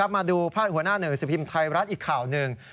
มาดูพาดหัวหน้าหนึ่งสิบพิมพ์ไทยรัฐอีกข่าวหนึ่ง